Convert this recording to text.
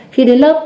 khi đến lớp